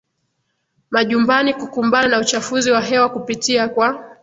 majumbani Kukumbana na uchafuzi wa hewa kupitia kwa